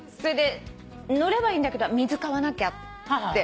乗ればいいんだけど水買わなきゃって。